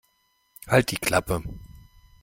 Halt die Klappe!